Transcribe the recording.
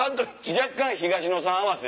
若干東野さん合わせ。